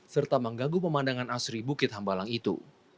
serta mengganggu pemandangan asri bukit hambalang itu